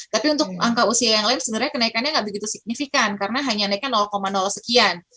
tapi untuk angka usia yang lain sebenarnya kenaikannya nggak begitu signifikan karena hanya naiknya sekian